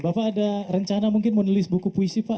bapak ada rencana mungkin mau nulis buku puisi pak